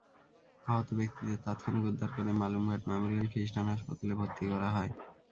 আহত ব্যক্তিদের তাৎক্ষণিক উদ্ধার করে মালুমঘাট মেমোরিয়াল খ্রিষ্টান হাসপাতালে ভর্তি করা হয়।